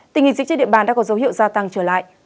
tình hình dịch trên địa bàn đã có dấu hiệu gia tăng trở lại